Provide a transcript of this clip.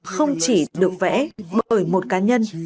không chỉ được vẽ bởi một cá nhân